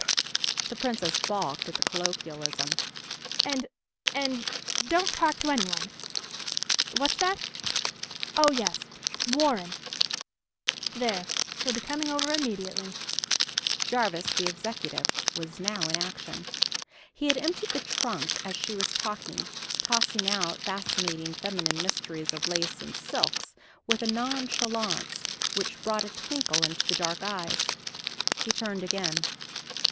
The Princess balked at the colloquialism. "And and don't talk to anyone ... What's that?... Oh, yes. 'Warren.'... There, he'll be coming over immediately." Jarvis, the executive, was now in action. He had emptied the trunk as she was talking, tossing out fascinating feminine mysteries of lace and silks, with a nonchalance which brought a twinkle into the dark eyes. He turned again.